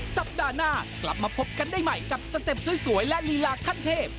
สัปดาห์หน้ากลับมาพบกันได้ใหม่กับสเต็ปสวยและลีลาขั้นเทพ